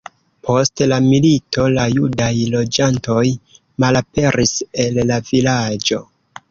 Post la milito la judaj loĝantoj malaperis el la vilaĝo.